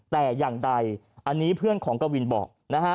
แต่อย่างใดอันนี้เพื่อนของกวินบอกนะฮะ